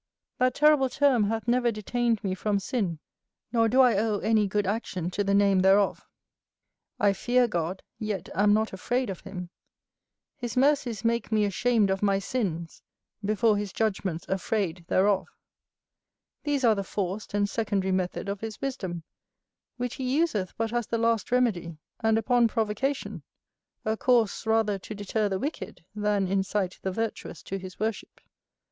That terrible term hath never detained me from sin, nor do I owe any good action to the name thereof. I fear God, yet am not afraid of him; his mercies make me ashamed of my sins, before his judgments afraid thereof: these are the forced and secondary method of his wisdom, which he useth but as the last remedy, and upon provocation; a course rather to deter the wicked, than incite the virtuous to his worship.